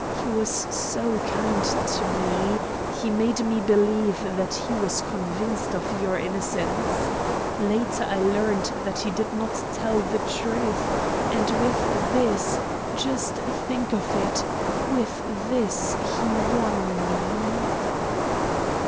He was so kind to me, he made me believe that he was convinced of your innocence later I learned that he did not tell the truth, and with this, just think of it, with this he won me."